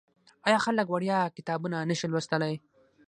آیا خلک وړیا کتابونه نشي لوستلی؟